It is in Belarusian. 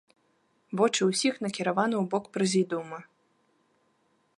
Вочы ўсіх накіраваны ў бок прэзідыума.